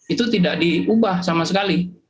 itu tidak diubah sama sekali